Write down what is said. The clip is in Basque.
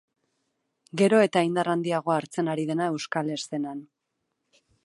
Gero eta indar handiagoa hartzen ari dena euskal eszenan.